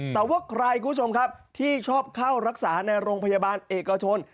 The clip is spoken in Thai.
แต่ว่าใครที่ชอบเข้ารักษาในโรงพยาบาลเอกชน